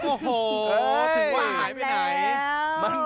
โอ้โหถึงหวานไปไหน